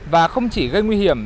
và không chỉ gây nguy hiểm